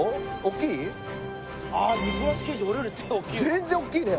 全然おっきいね。